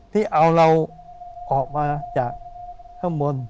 ที่เอาเราออกมาจากข้างบน